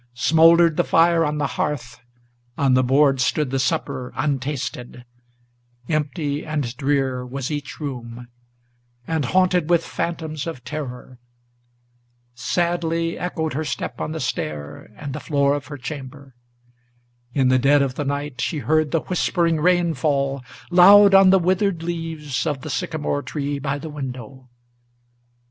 Smouldered the fire on the hearth, on the board stood the supper untasted, Empty and drear was each room, and haunted with phantoms of terror. Sadly echoed her step on the stair and the floor of her chamber. In the dead of the night she heard the whispering rain fall Loud on the withered leaves of the sycamore tree by the window.